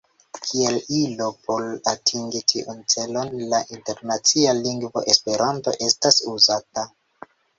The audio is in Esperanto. Kiel ilo por atingi tiun celon, la internacia lingvo Esperanto estas uzata.